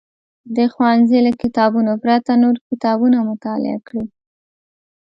د ښوونځي له کتابونو پرته نور کتابونه مطالعه کړي.